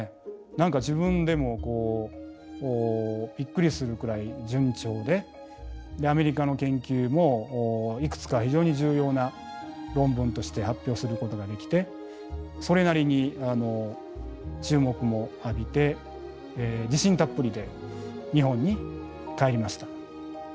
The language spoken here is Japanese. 何か自分でもびっくりするくらい順調でアメリカの研究もいくつか非常に重要な論文として発表することができてそれなりに注目も浴びて自信たっぷりで日本に帰りました。